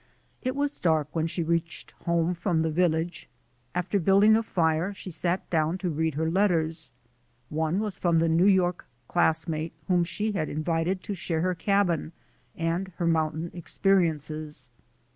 It was dark when she reached home from the village. After building a fire she sat down to read her letters. One was from the New York classmate whom she had invited to share her cabin and her mountain experiences.